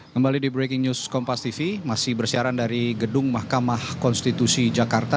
kembali di breaking news kompas tv masih bersiaran dari gedung mahkamah konstitusi jakarta